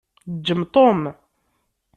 Ǧǧem Tom.